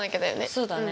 そうだね。